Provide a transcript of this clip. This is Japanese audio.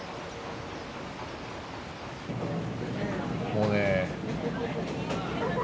もうね。